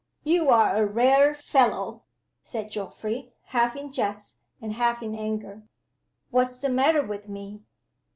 "You are a rare fellow!" said Geoffrey, half in jest and half in anger. "What's the matter with me?"